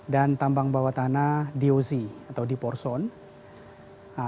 dan tambang bawah tanah doz atau deep or zone